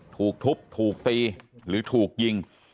ถูกทุบถูกตีหรือถูกยิง